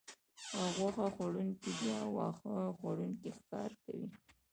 او غوښه خوړونکي بیا واښه خوړونکي ښکار کوي